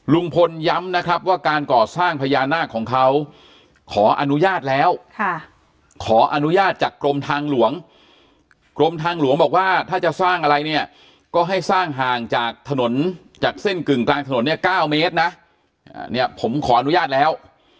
ลุงพลย้ำนะครับว่าการก่อสร้างพญานาคของเขาขออนุญาตแล้วขออนุญาตจากกรมทางหลวงกรมทางหลวงบอกว่าถ้าจะสร้างอะไรเนี่ยก็ให้สร้างห่างจากถนนจากเส้นกึ่งกลางถนนเนี่ย๙เมตรนะเนี่ยผมขออนุญาตแล้ว